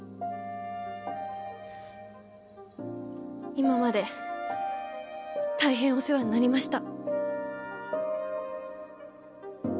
今まで大変お世話になりました。